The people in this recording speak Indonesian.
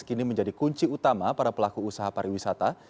kini menjadi kunci utama para pelaku usaha pariwisata